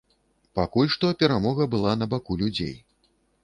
Пакуль што перамога была на баку людзей.